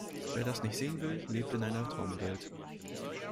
Wer das nicht sehen will, lebt in einer Traumwelt!